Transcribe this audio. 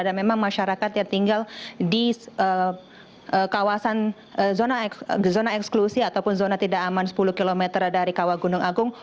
dan memang masyarakat yang tinggal di kawasan zona eksklusi ataupun zona tidak aman sepuluh km dari kawas gunung agung